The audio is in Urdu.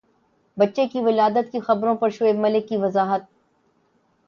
بچے کی ولادت کی خبروں پر شعیب ملک کی وضاحت